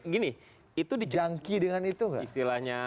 gini itu jangki dengan itu gak istilahnya